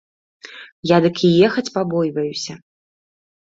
Я дык і ехаць пабойваюся.